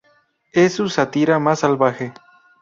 Es su sátira más salvaje.